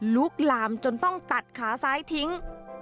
ลุกลามจนต้องตัดขาซ้ายทิ้ง